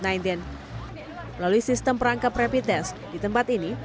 melalui sistem perangkap rapid test di tempat ini